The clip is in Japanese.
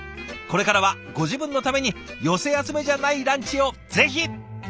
これからはご自分のために寄せ集めじゃないランチをぜひ！